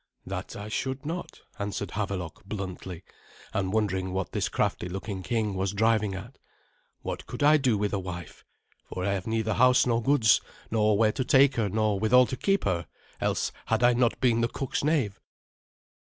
"That I should not," answered Havelok bluntly, and wondering what this crafty looking king was driving at. "What could I do with a wife? For I have neither house nor goods, nor where to take her, nor withal to keep her; else had I not been the cook's knave."